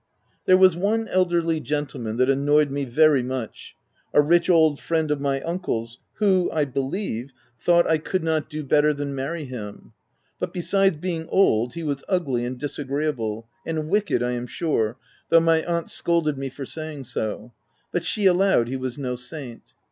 There was one elderly gentleman that annoyed me very much ; a rich old friend of my uncle's who, I believe, thought I could not do better than marry him ; but, besides being old, he was ugly and disagreeable, — and wicked, I am sure, though my aunt scolded me for saying so ; but she allowed he was no saint.